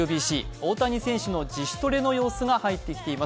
大谷選手の自主トレの様子が入ってきています。